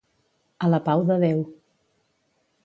A la pau de Déu.